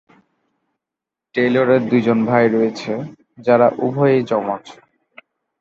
টেইলরের দুজন ভাই রয়েছে, যারা উভয়ই যমজ।